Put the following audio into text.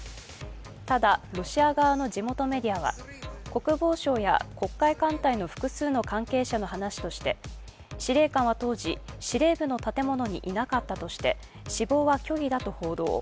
ただロシア側の地元メディアは国防省や黒海艦隊の複数の関係者の話として司令官は当時、司令部の建物にいなかったとして、死亡は虚偽だと報道。